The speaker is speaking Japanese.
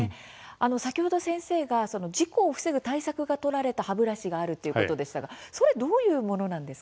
先ほど先生が事故を防ぐ対策が取られた歯ブラシがあるということでしたが、それはどういうものなんですか？